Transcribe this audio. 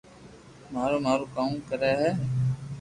مارو مارو ڪوم ڪروا دي